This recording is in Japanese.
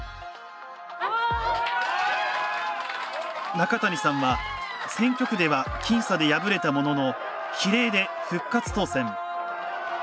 中谷さんは選挙区では僅差で敗れたものの比例で復活当選。